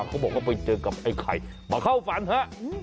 เขาบอกว่าไปเจอกับไอ้ไข่มาเข้าฝันฮะ